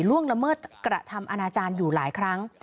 ละเมิดกระทำอนาจารย์อยู่หลายครั้ง